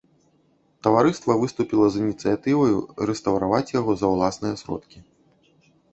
Таварыства выступіла з ініцыятываю рэстаўраваць яго за ўласныя сродкі.